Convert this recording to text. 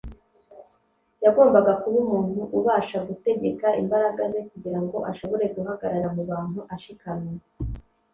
. Yagombaga kuba umuntu ubasha gutegeka imbaraga ze kugira ngo ashobore guhagarara mu bantu ashikamye,